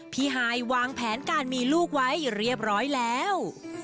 ฮายวางแผนการมีลูกไว้เรียบร้อยแล้ว